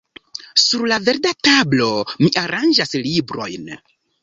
Sur la verda tablo mi aranĝas librojn.